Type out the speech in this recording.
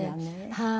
はい。